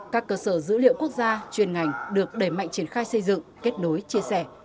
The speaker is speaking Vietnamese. các cơ sở dữ liệu quốc gia chuyên ngành được đẩy mạnh triển khai xây dựng kết nối chia sẻ